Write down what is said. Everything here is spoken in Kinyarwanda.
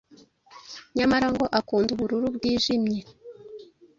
Nyamara ngo akunda ubururu bwijimye